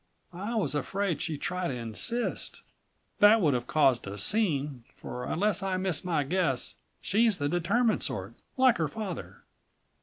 I was afraid she'd try to insist. That would have caused a scene, for unless I miss my guess she's the determined sort like her father."